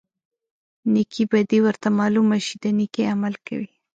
نیکې بدي ورته معلومه شي د نیکۍ عمل کوي.